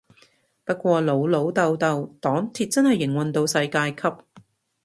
不過老老豆豆黨鐵真係營運到世界級